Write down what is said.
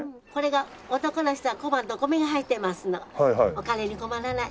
お金に困らない。